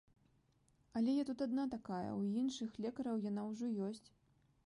Але я тут адна такая, у іншых лекараў яна ўжо ёсць.